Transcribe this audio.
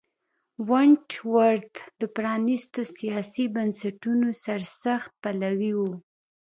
ونټ ورت د پرانیستو سیاسي بنسټونو سرسخت پلوی و.